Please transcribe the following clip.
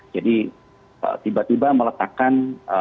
jadi tiba tiba meletakkan